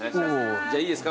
じゃあいいですか？